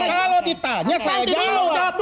kalau ditanya saya jawab